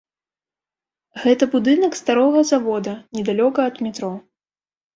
Гэта будынак старога завода, недалёка ад метро.